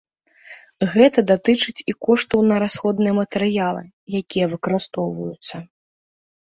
Гэта датычыць і коштаў на расходныя матэрыялы, якія выкарыстоўваюцца.